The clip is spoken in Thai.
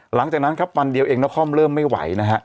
หลังจากนั้นครับวันเดียวเองนครเริ่มไม่ไหวนะฮะ